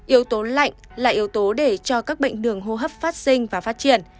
yếu tố lạnh là yếu tố để cho các bệnh đường hô hấp phát sinh và phát triển